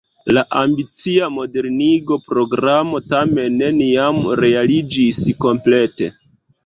La ambicia modernigo-programo tamen neniam realiĝis komplete.